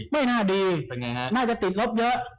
ไม่น่าดีน่าจะติดรถเยอะ